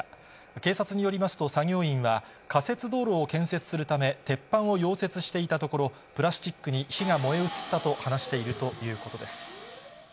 警察によりますと、作業員は、仮設道路を建設するため、鉄板を溶接していたところ、プラスチックに火が燃え移ったと話しているということです。